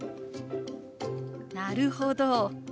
なるほど。